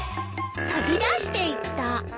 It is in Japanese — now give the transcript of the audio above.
飛び出していった。